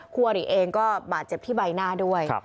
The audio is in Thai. คู่อริเองก็บาดเจ็บที่ใบหน้าด้วย